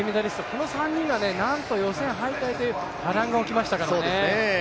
この３人が予選敗退という波乱が起きましたから。